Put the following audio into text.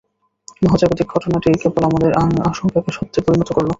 মহাজাগতিক ঘটনাটি কেবল আমাদের আশংকাকে সত্যে পরিণত করল।